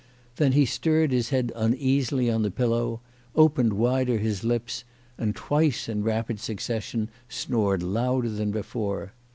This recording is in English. Then he stirred his head uneasily on the pillow, opened wider his lips, and twice in rapid suc cession snored louder than before.